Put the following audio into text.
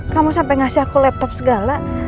kamu sampai ngasih aku laptop segala